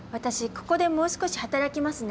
ここでもう少し働きますね。